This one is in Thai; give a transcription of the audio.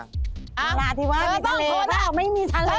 เมื่ออธิบายมีทะเลถ้าไม่มีทะเล